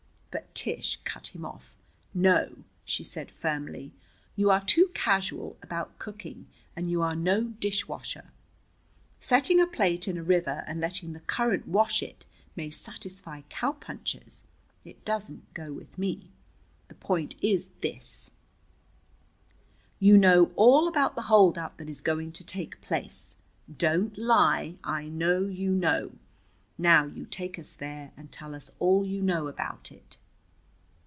But Tish cut him off. "No," she said firmly, "you are too casual about cooking. And you are no dish washer. Setting a plate in a river and letting the current wash it may satisfy cow punchers. It doesn't go with me. The point is this: You know all about the holdup that is going to take place. Don't lie. I know you know. Now, you take us there and tell us all you know about it."